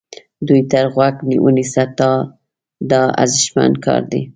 دوی ته غوږ ونیسه دا ارزښتمن کار دی.